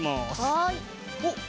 はい。